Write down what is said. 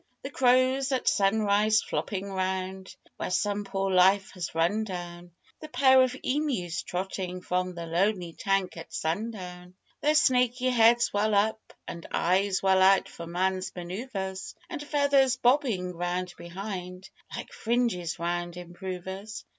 The crows at sunrise flopping round Where some poor life has run down; The pair of emus trotting from The lonely tank at sundown, Their snaky heads well up, and eyes Well out for man's manœuvres, And feathers bobbing round behind Like fringes round improvers.